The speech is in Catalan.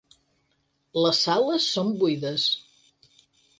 Les sales són buides.